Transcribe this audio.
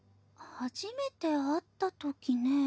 初めて会ったときねぇ。